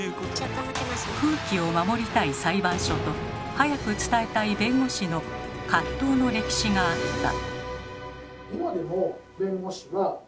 風紀を守りたい裁判所と早く伝えたい弁護士の葛藤の歴史があった。